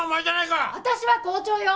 私は校長よ！